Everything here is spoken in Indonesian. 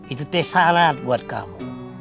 itu tuh syarat buat kamu